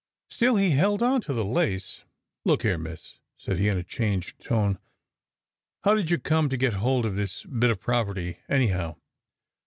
Still he held on to the lace. "Look here, miss," said he in a changed tone, "how did you come to get hold of this bit of property, anyhow?